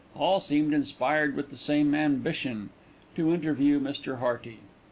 All seemed inspired with the same ambition to interview Mr. Hearty.